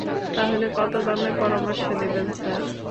তাহলে কত দামের পরামর্শ দেবেন, স্যার?